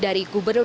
dan juga pemerintah